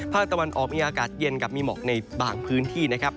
ตะวันออกมีอากาศเย็นกับมีหมอกในบางพื้นที่นะครับ